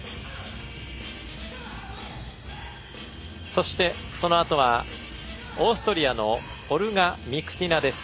そして、そのあとはオーストリアのオルガ・ミクティナです。